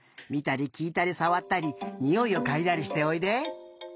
みたりきいたりさわったりにおいをかいだりしておいで。